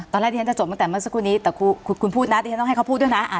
ตอนแรกที่ฉันจะจบตั้งแต่เมื่อสักครู่นี้แต่คุณพูดนะที่ฉันต้องให้เขาพูดด้วยนะ